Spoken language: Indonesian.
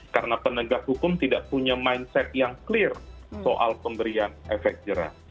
karena penegak hukum tidak punya mindset yang clear soal pemberian efek jerah